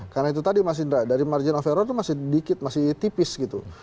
karena itu tadi mas indra dari margin of error itu masih dikit masih tipis gitu